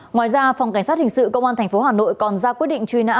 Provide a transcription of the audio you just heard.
ngoài ra phòng cảnh sát hình sự công an tp hà nội còn ra quyết định truy nã